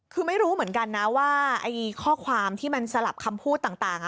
คือไม่รู้เหมือนกันนะว่าข้อความที่มันสลับคำพูดต่าง